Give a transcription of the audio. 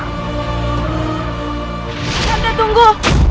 tidak ada tunggu